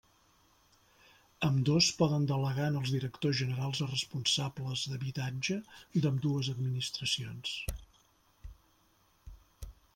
Ambdós poden delegar en els directors generals responsables d'habitatge d'ambdues administracions.